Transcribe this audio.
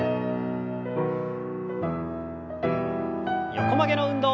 横曲げの運動。